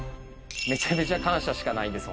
めちゃめちゃ感謝しかないです